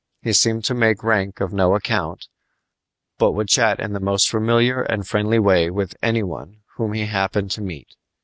He seemed to make rank of no account, but would chat in the most familiar and friendly way with any one whom he happened to meet.